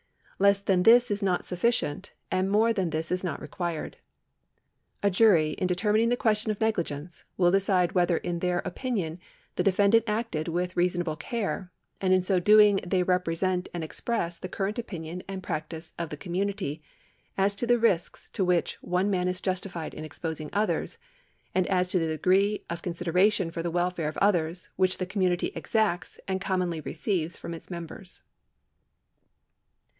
Less than this is not sufficient, and more than this is not required. A jury in determining the question of neghgence will decide whether in their opinion the defendant acted with reasonable care ; and in so doing they represent and express the current opinion and practice of the community as to the risks to which one man is justified in exposing others, and as to the §142] INTENTION AND NEGLIGENCE 857 clc'ti; iec of consideration for tlic welfare of others whi(;h the community exacts and commonly receives from its members.